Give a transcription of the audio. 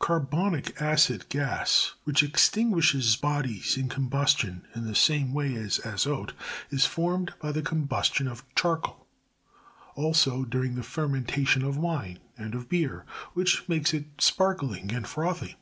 [Carbonic acid gas, which extinguishes bodies in combus tion in the same way as azote, is formed by the combustion of charcoal; also, during the fermentation of wine, and of brer, which makes it sparkling and frothy.